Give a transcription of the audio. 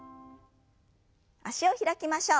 脚を開きましょう。